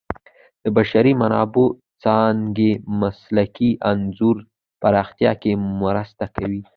د بشري منابعو څانګې مسلکي انځور پراختیا کې مرسته کوي.